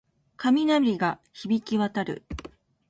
雷鳴が響き渡る